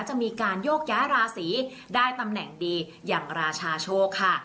จะมีการโยกย้ายราศีได้ตำแหน่งดีอย่างราชาโชคค่ะ